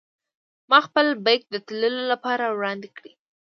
ما خپل بېک د تللو لپاره وړاندې کړ.